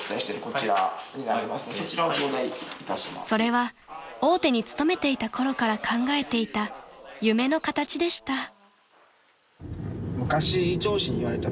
［それは大手に勤めていたころから考えていた夢の形でした］